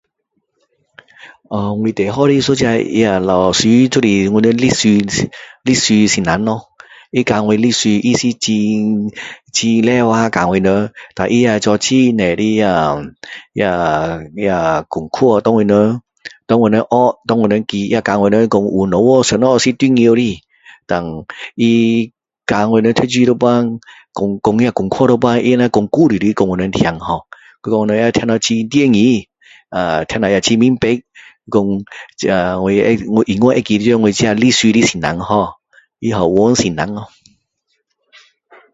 我最好的一个那老师就是我们历史,历史的老师咯。他教我历史，他是很，很努力教我们，但他也做很多那，那功课，给我们，给我们学，给我们记，也教我们说有什么是重要的。但他教我们读书那时，讲那功课时，他会讲故事给我们听[har],结果我们听得很入耳，[ahh]听了也很明白。讲这我[ohh]永远会记得我这历史老师。但[har],他叫王老师[har]